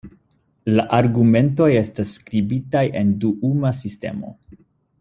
La argumentoj estas skribataj en duuma sistemo.